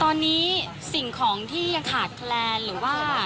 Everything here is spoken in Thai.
ตอนนี้สิ่งของที่ยังขาดแคลนหรือว่า